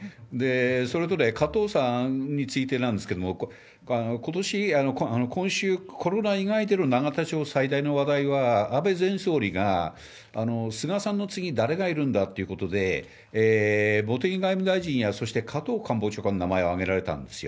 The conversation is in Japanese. それとね、加藤さんについてなんですけれども、今週コロナ以外での永田町最大の話題は、安倍前総理が菅さんの次、誰がいるんだっていうことで、茂木外務大臣や、そして加藤官房長官の名前を挙げられたんですよ。